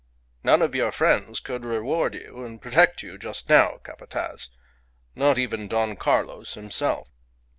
"None of your friends could reward you and protect you just now, Capataz. Not even Don Carlos himself."